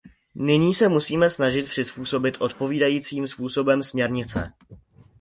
Nyní se musíme snažit přizpůsobit odpovídajícím způsobem směrnice.